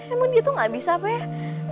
emang dia tuh ga bisa apa ya